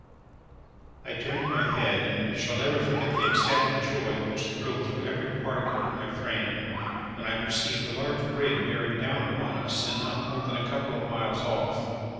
I turned my head, and shall never forget the ecstatic joy which thrilled through every particle of my frame, when I perceived a large brig bearing down upon us, and not more than a couple of miles off.